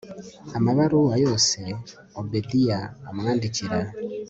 amabaruwa yose obedia amwandikira